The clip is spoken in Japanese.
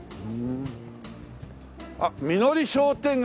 あっ「みのり商店会」